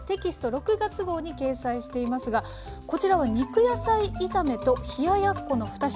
６月号に掲載していますがこちらは肉野菜炒めと冷ややっこの２品